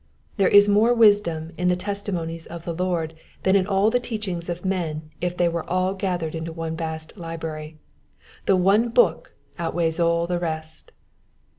There is more wisdom in the testimonies of the Lord than in all the teachings of men if they were all gathered into one vast library. The one book outweighs all the rest.